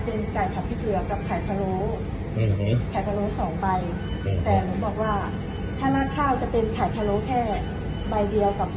หมูสองชิ้นต้องมีสองชิ้นค่ะแล้วลูกค้าลูกค้าจะเอาไข่สองใบค่ะ